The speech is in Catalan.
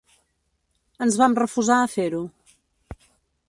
Ens vam refusar a fer-ho.